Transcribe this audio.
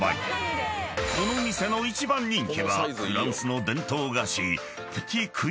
［この店の一番人気はフランスの伝統菓子］